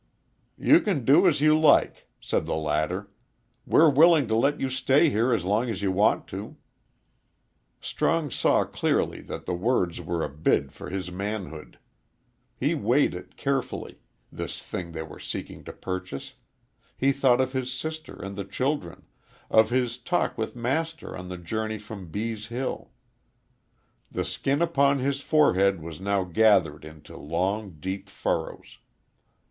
"You can do as you like," said the latter. "We're willing to let you stay here as long as you want to." Strong saw clearly that the words were a bid for his manhood. He weighed it carefully this thing they were seeking to purchase he thought of his sister and the children, of his talk with Master on the journey from Bees' Hill. The skin upon his forehead was now gathered into long, deep furrows.